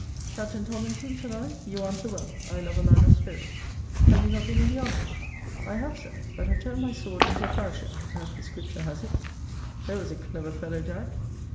Captain Tomlinson, said I, you answer well. I love a man of spirit. Have you not been in the army? I have, Sir; but have turned my sword into a ploughshare, as the scripture has it, [there was a clever fellow, Jack!